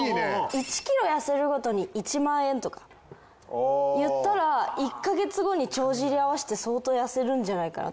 １キロ痩せるごとに１万円とか言ったら１カ月後に帳尻合わせて相当痩せるんじゃないかなとか。